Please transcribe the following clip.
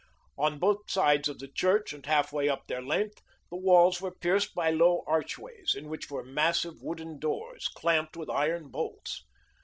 On both sides of the church and half way up their length, the walls were pierced by low archways, in which were massive wooden doors, clamped with iron bolts.